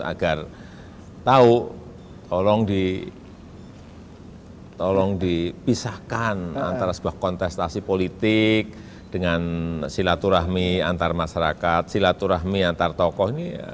agar tahu tolong dipisahkan antara sebuah kontestasi politik dengan silaturahmi antar masyarakat silaturahmi antar tokoh ini